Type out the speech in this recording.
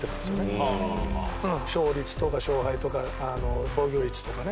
うん勝率とか勝敗とか防御率とかね。